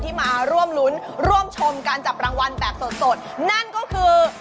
เชื่อผมไหมจะเยอะไปเรื่อย